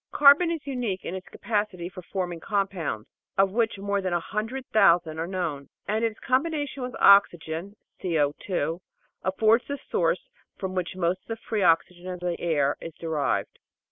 Carbon is unique in its capacity for form ing compounds, of which more than a hundred thousand are known, and its combination with oxygen (COa) affords the source from which most of the free oxygen of the air is derived.